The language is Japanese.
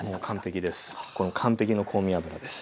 完璧の香味油です。